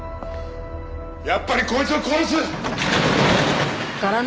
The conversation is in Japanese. やっぱりこいつを殺す。